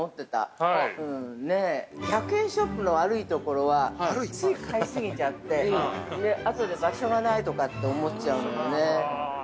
１００円ショップの悪いところはつい買い過ぎちゃってあとで場所がないとかって思っちゃうのよね。